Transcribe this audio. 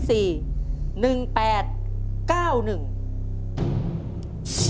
เดี๋ยวมิตรเข้าะป่าที่เลย